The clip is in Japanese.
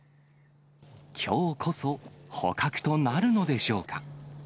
きょうこそ捕獲となるのでしょうか。